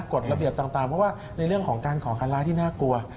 กฎระเบียบต่างเพราะว่าในเรื่องของการก่อการร้ายที่น่ากลัว